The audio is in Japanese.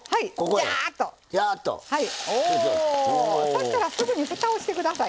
そしたらすぐにふたをして下さい。